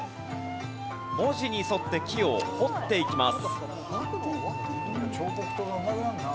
文字に沿って木を彫っていきます。